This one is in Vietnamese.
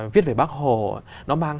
viết về bác hồ nó mang